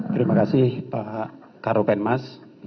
terima kasih pak karupen mas